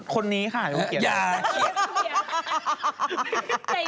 คนนี้ค่ะอย่าเขี้ยผิด